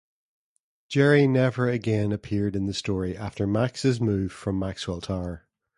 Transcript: Jerry never again appeared in the story after Max's move from Maxwell Tower.